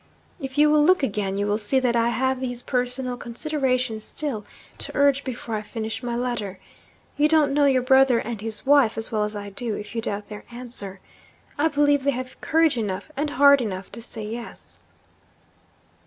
If you will look again, you will see that I have these personal considerations still to urge before I finish my letter. You don't know your brother and his wife as well as I do, if you doubt their answer. I believe they have courage enough and heart enough to say Yes.'